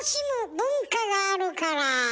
文化があるから。